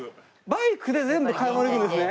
バイクで全部買い物行くんですね。